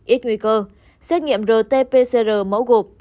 ít nguy cơ xét nghiệm rt pcr mẫu gộp